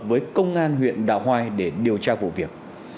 với công an huyện đạ hoai để điều tra vụ việc